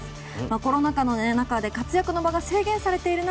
コロナ禍の中で活躍の場が制限されている中